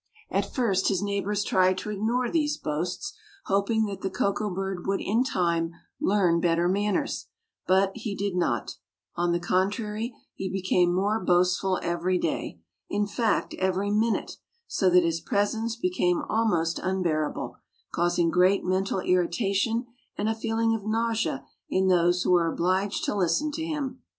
At first his neighbors tried to ignore these boasts, hoping that the Koko bird would in time learn better manners, but he did not; on the contrary, he became more boastful every day, in fact every minute, so that his presence became almost unbearable, causing great mental irritation and a feeling of nausea in those who were obliged to listen to him.